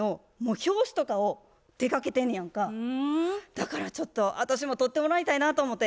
だからちょっと私も撮ってもらいたいなと思て。